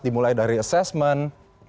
dimulai dari assessment